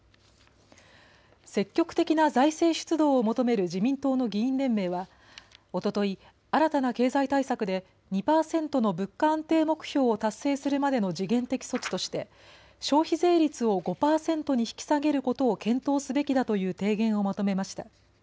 積極的な財政出動を求める自民党の議員連盟はおととい新たな経済対策で２％の物価安定目標を達成するまでの時限的措置として消費税率を５％に引き下げることを検討すべきだという提言をまとめました。